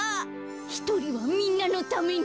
ひとりはみんなのために。